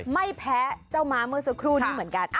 ไม่แพ้เจ้าหมาเมอร์สุครูนี้เหมือนกัน